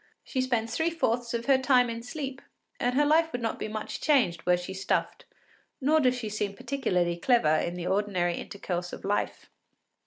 She spends three fourths of her time in sleep, and her life would not be much changed were she stuffed, nor does she seem particularly clever in the ordinary intercourse of life.